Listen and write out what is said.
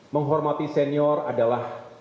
menghormati senior adalah